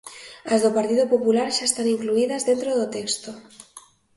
As do Partido Popular xa están incluídas dentro do texto.